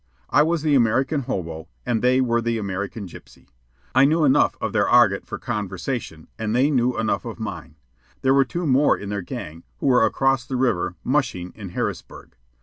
I was the American hobo, and they were the American gypsy. I knew enough of their argot for conversation, and they knew enough of mine. There were two more in their gang, who were across the river "mushing" in Harrisburg.